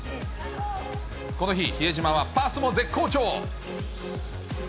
この日、比江島はパスも絶好調。